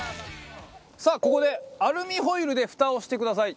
さあここでアルミホイルでフタをしてください。